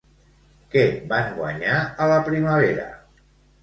Què van guanyar a la primavera?